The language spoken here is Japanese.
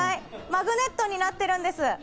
マグネットになってるんです。